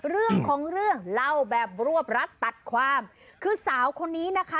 เรื่องของเรื่องเล่าแบบรวบรัดตัดความคือสาวคนนี้นะคะ